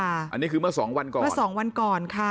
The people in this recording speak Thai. อันนี้คือเมื่อ๒วันก่อน